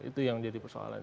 itu yang jadi persoalan